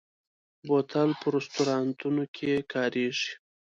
بوتل په رستورانتونو کې کارېږي.